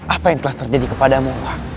apa yang telah terjadi kepadamu